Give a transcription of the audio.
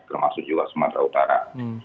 termasuk juga sumatera utara